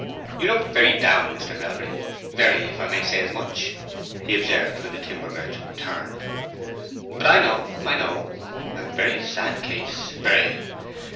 "You look very down, Mr. Melbury—very, if I may say as much," he observed, when the timber merchant turned. "But I know—I know. A very sad case—very.